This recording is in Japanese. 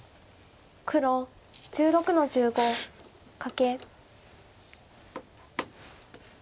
黒１６の十五カケ。